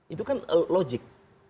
itu kan logik